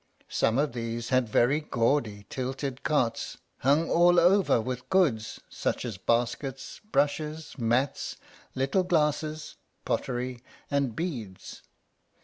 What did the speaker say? Some of these had very gaudy tilted carts, hung all over with goods, such as baskets, brushes, mats, little glasses, pottery, and beads.